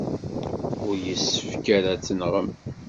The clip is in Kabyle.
Ur yessefk ara ad tenɣem.